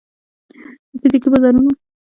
د فزیکي بازارونو پر ځای مجازي بازارونه جوړېږي.